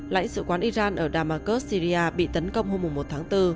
lãnh sự quán iran ở damasurs syria bị tấn công hôm một tháng bốn